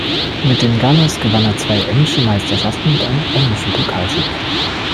Mit den Gunners gewann er zwei englische Meisterschaften und einen englischen Pokalsieg.